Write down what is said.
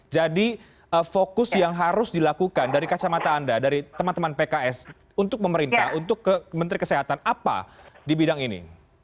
jadi fokus yang harus dilakukan dari kacamata anda dari teman teman pks untuk pemerintah untuk menteri kesehatan apa di bidang ini